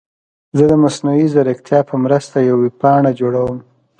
زه د مصنوعي ځیرکتیا په مرسته یوه ویب پاڼه جوړوم.